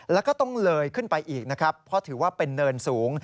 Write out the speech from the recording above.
แล้วก็ต้องเลยขึ้นไปอีกนะครับเพราะถือว่าเป็นเนินสูง